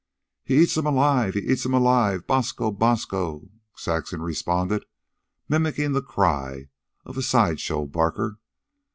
"He eats 'em alive! He eats 'em alive! Bosco! Bosco!" Saxon responded, mimicking the cry of a side show barker.